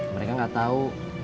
mereka gak tau